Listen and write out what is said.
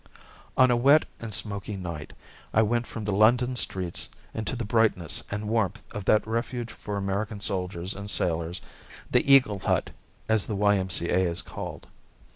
On a wet and smoky night I went from the London streets into the brightness and warmth of that refuge for American soldiers and sailors, the "Eagle Hut," as the Y. M. C. A. is called.